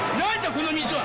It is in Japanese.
この水は！